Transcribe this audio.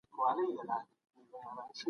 خيار حق د معاملې توازن ساتي.